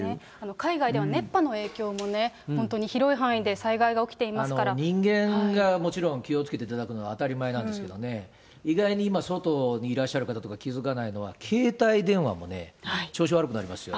海外では熱波の影響も本当に広い範囲で災害が起きていますか人間がもちろん気を付けていただくのは当たり前なんですけれどもね、意外に今、外にいらっしゃる方とか気付かないのは、携帯電話もね、調子悪くなりますよ。